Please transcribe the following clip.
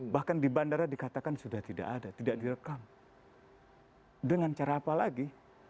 bahkan di bandara dikatakan sudah tidak ada tidak direkam dengan cara apa lagi